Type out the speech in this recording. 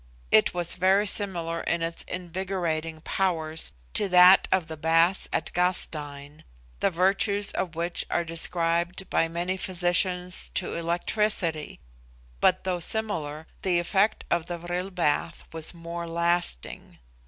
It was very similar in its invigorating powers to that of the baths at Gastein, the virtues of which are ascribed by many physicians to electricity; but though similar, the effect of the vril bath was more lasting.